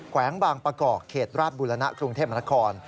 วงบางประกอบเขตราชบุรณะกรุงเทพมนาคม